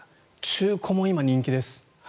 中古も今、人気です。